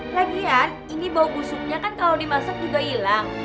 lagian ini bau busuknya kan kalau dimasak juga hilang